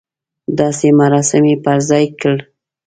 داسې مراسم یې پر ځای کړل.